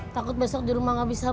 takut besok di rumah gak bisa